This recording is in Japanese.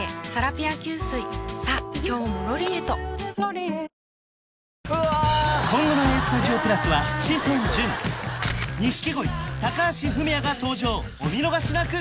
「ＷＩＤＥＪＥＴ」今後の「ＡＳＴＵＤＩＯ＋」は志尊淳錦鯉高橋文哉が登場お見逃しなく！